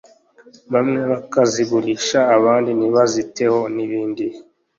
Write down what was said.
bamwe bakazigurisha abandi ntibaziteho n’ibindi